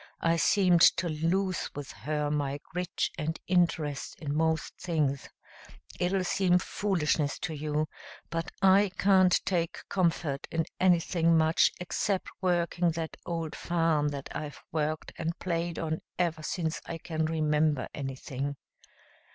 I seemed to lose with her my grit and interest in most things. It'll seem foolishness to you, but I can't take comfort in anything much except working that old farm that I've worked and played on ever since I can remember anything.